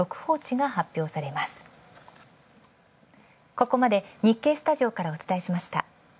ここまで、日経スタジオからお伝えしました。